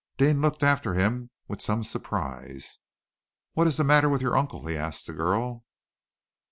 Deane looked after him with some surprise. "What is the matter with your uncle?" he asked the girl.